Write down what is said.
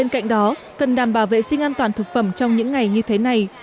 cạnh đó cần đảm bảo vệ sinh an toàn thực phẩm trong những ngày như thế này